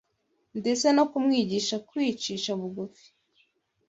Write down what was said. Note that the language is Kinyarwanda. ndetse no kumwigisha kwicisha bugufi